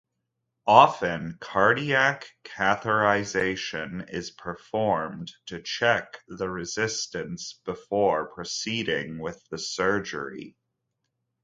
Often, cardiac catheterization is performed to check the resistance before proceeding with the surgery.